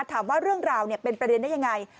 ถามว่าเรื่องราวเป็นประเด็นได้ยังไง